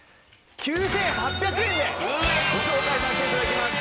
９８００円でご紹介させて頂きます！